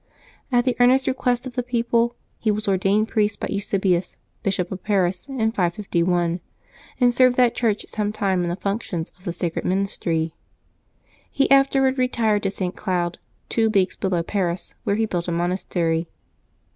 At the earnest request of the people, he was ordained priest by Eusebius, Bishop of Paris, in 551, and served that Church some time in the functions of the sacred ministry. He afterward retired to St. Cloud, two leagues below Paris, where he built a monastery.